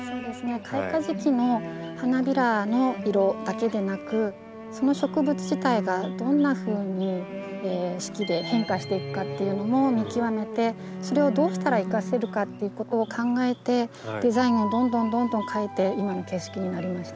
開花時期の花びらの色だけでなくその植物自体がどんなふうに四季で変化していくかっていうのも見極めてそれをどうしたら生かせるかっていうことを考えてデザインをどんどんどんどん変えて今の景色になりました。